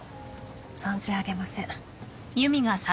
存じ上げません。